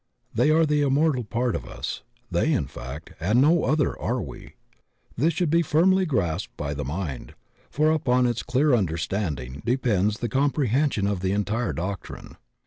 They are the immortal part of us; they, in fact, and no other are we. This should be firmly grasped by the mind, for upon its clear understanding depends the comprehension of the entire doctrine.